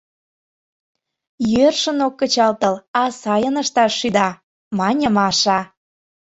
— Йӧршын ок кычалтыл, а сайын ышташ шӱда, — мане Маша.